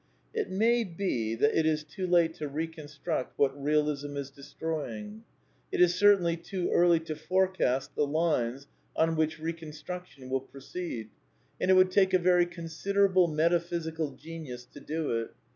It may be that it is too late to reconstruct what Eealism is destroying. It is certainly too early to forecast the lines on which reconstruction will proceed; and it would INTRODUCTION take a veiy considerable metaphysical genius to do it.